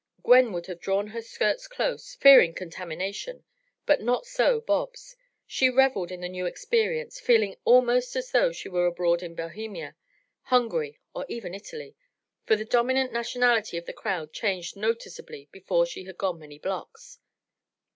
Gwen would have drawn her skirts close, fearing contamination, but not so Bobs. She reveled in the new experience, feeling almost as though she were abroad in Bohemia, Hungary or even Italy, for the dominant nationality of the crowd changed noticeably before she had gone many blocks.